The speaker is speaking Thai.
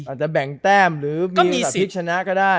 อาจจะแบ่งแต้มหรือไม่มีสิทธิ์ชนะก็ได้